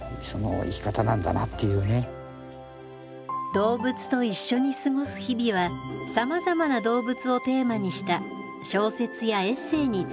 動物と一緒に過ごす日々はさまざまな動物をテーマにした小説やエッセイにつながっていきました。